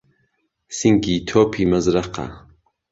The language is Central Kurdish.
سینگی تۆپی مهزرهقه